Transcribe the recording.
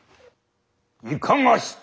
「いかがした？」。